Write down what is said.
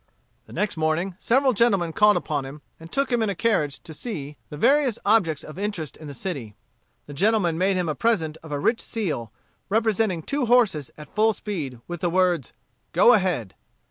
The next morning, several gentlemen called upon him, and took him in a carriage to see the various objects of interest in the city. The gentlemen made him a present of a rich seal, representing two horses at full speed, with the words, "Go Ahead."